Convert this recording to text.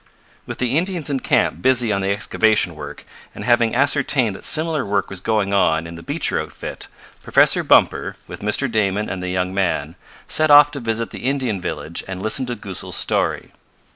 With the Indians in camp busy on the excavation work, and having ascertained that similar work was going on in the Beecher outfit, Professor Bumper, with Mr. Damon and the young men, set off to visit the Indian village and listen to Goosal's story.